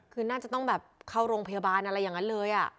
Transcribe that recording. คือน่าจะต้องแบบเข้าโรงพยาบาลอะไรอย่างนั้นเลย